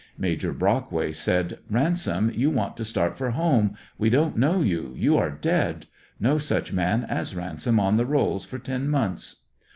Major Brockway said: Ransom, you want to start for home. We don't know you, you are dead. No such man as Ransom on the rolls for ten months."